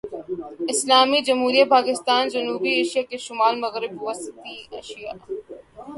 اسلامی جمہوریہ پاکستان جنوبی ایشیا کے شمال مغرب وسطی ایشیا